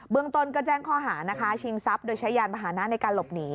เมืองต้นก็แจ้งข้อหานะคะชิงทรัพย์โดยใช้ยานมหานะในการหลบหนี